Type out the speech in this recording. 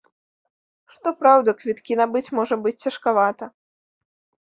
Што праўда, квіткі набыць можа быць цяжкавата.